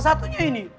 salah satunya ini